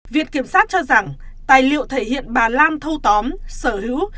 viện kiểm sát cho rằng tài liệu thể hiện bà lan thâu tóm sở hữu